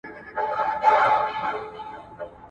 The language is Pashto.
ښه مشران ملت پیاوړی کوي.